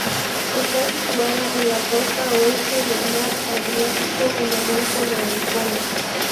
Está situada en la costa oeste del mar Adriático en el golfo de Ancona.